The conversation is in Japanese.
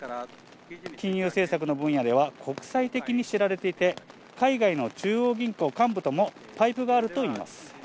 金融政策の分野では、国際的に知られていて、海外の中央銀行幹部ともパイプがあるといいます。